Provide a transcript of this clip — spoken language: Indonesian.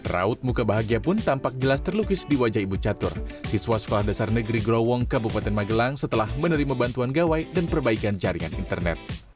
raut muka bahagia pun tampak jelas terlukis di wajah ibu catur siswa sekolah dasar negeri growong kabupaten magelang setelah menerima bantuan gawai dan perbaikan jaringan internet